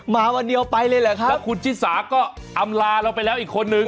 มาวันเดียวไปเลยเหรอครับแล้วคุณชิสาก็อำลาเราไปแล้วอีกคนนึง